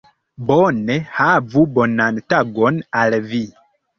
Bone, havu bonan tagon al vi